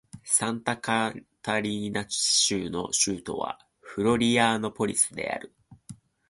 サンタカタリーナ州の州都はフロリアノーポリスである